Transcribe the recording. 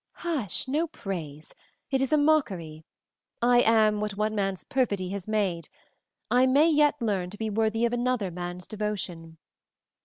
"Hush! No praise it is a mockery. I am what one man's perfidy has made; I may yet learn to be worthy of another man's devotion.